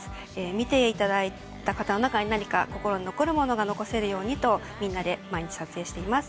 見ていただいた方の心の中に何か残せるものがあればとみんなで毎日撮影しています。